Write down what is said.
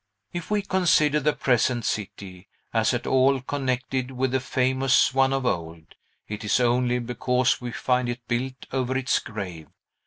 If we consider the present city as at all connected with the famous one of old, it is only because we find it built over its grave.